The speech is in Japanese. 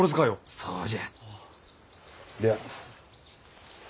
そうじゃ。